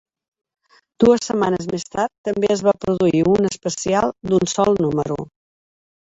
Dues setmanes més tard també es va produir un "especial" d'un sol número.